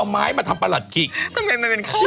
ว่ามั้ยมอย่างนี้